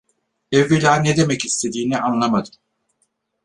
Evvela ne demek istediğini anlamadım.